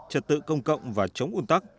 trật tự công cộng và chống un tắc